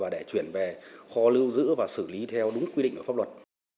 để chuyển về kho lưu giữ và xử lý theo đúng quy định của pháp luật